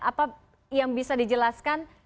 apa yang bisa dijelaskan